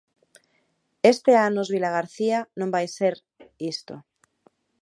Este anos Vilagarcía non vai ser isto.